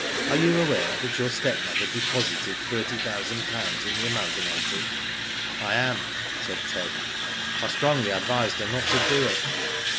Are you aware that your stepmother deposited thirty thousand pounds in the Amal gamated ?"" I am," said Ted. *' I strongly advised her not to do it."